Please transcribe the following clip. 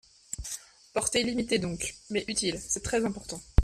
Portée limitée donc, mais utile, c’est très important.